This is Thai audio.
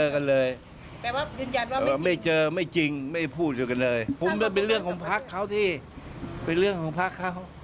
ก็ไม่มีทางที่เป็นเรื่องของพักเขา